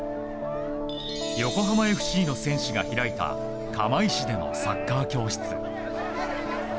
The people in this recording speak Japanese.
横浜ＦＣの選手が開いた釜石でのサッカー教室。